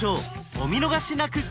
お見逃しなく！